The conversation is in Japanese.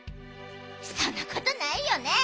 そんなことないよね。